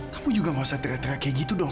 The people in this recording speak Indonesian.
kamu juga gak usah teriak teriak kayak gitu dong